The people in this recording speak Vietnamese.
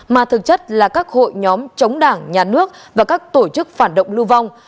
mà thực chất là các hội nhóm chống đảng nhà nước và các tổ chức phản động lưu vong